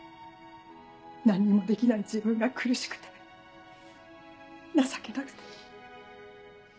何にもできない自分が苦しくて情けなくて。